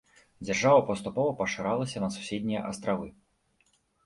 Дзяржава паступова пашыралася на суседнія астравы.